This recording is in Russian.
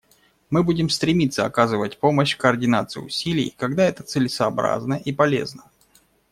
Мы будем стремиться оказывать помощь в координации усилий, когда это целесообразно и полезно.